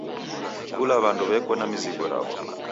Kula w'andu w'eko na mizango raw'o.